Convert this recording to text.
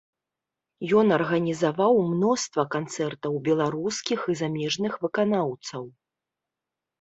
Ён арганізаваў мноства канцэртаў беларускіх і замежных выканаўцаў.